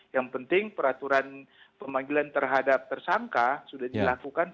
yang penting peraturan pemanggilan terhadap tersangka sudah dilakukan